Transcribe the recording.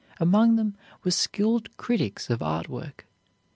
Among them were skilled critics of art work.